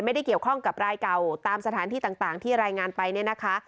ไม่ได้เกี่ยวข้องกับรายเก่าตามสถานที่ต่างที่รายงานไปเนี่ยนะคะ